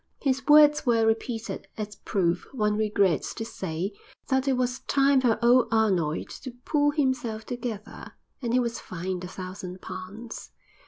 His words were repeated, as proof, one regrets to say, that it was time for "old Arnold" to "pull himself together"; and he was fined a thousand pounds.